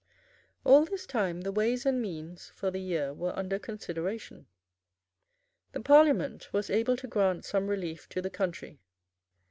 All this time the ways and means for the year were under consideration. The Parliament was able to grant some relief to the country.